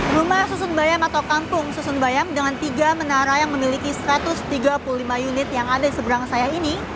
rumah susun bayam atau kampung susun bayam dengan tiga menara yang memiliki satu ratus tiga puluh lima unit yang ada di seberang saya ini